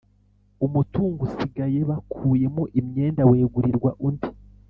Umutungo usigaye bakuyemo imyenda wegurirwa undi